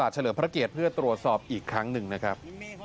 ธรรมศาสตร์เฉลิมพระเกตเพื่อตรวจสอบอีกครั้งหนึ่งนะครับ